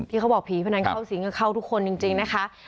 เขาบอกผีพนันเข้าสิงก็เข้าทุกคนจริงนะคะ